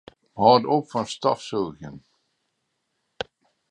Hâld op fan stofsûgjen.